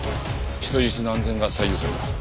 人質の安全が最優先だ。